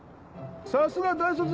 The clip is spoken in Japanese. さすが大卒！